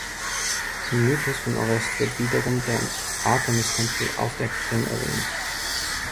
Im Mythos von Orest wird wiederum der Artemistempel auf der Krim erwähnt.